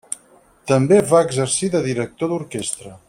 També va exercir de director d'orquestra.